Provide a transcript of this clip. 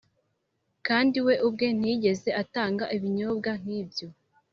Kandi we ubwe ntiyigeze atanga ibinyobwa nk’ibyo